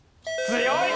強い！